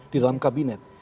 di dalam kabinet